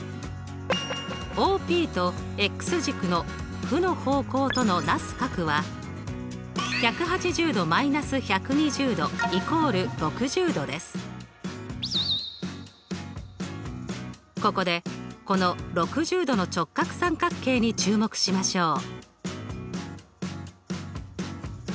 ＯＰと軸の負の方向とのなす角はここでこの６０°の直角三角形に注目しましょう。